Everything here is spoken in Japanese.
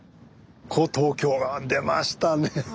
古東京川出ましたね。